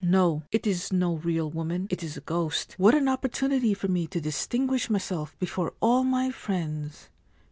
' No : it is no real woman : it is a ghost. What an opportunity for me to distinguish myself before all my friends